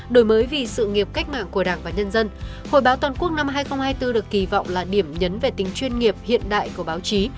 hội báo toàn quốc năm hai nghìn hai mươi bốn được kỳ vọng là điểm nhấn về tính chuyên nghiệp hiện đại của báo chí